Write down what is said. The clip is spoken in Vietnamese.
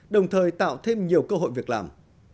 đồng thời tạo thêm nhiều cơ hội việc làm